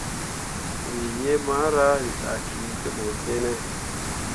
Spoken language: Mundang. Wǝ yiimara, wǝ dahki te ɓu fine.